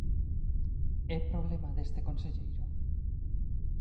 ¿É problema deste conselleiro?